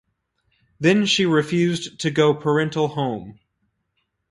Then she refused to go parental home.